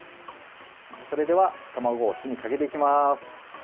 それでは卵を火にかけていきます。